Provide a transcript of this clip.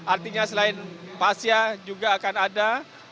artinya selain pasya juga akan ada